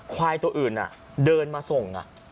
ควายตัวอื่นเดินมาส่ง